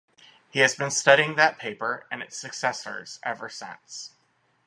He has been studying that paper and its successors ever since.